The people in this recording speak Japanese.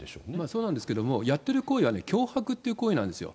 そうなんですけども、やってる行為は脅迫っていう行為なんですよ。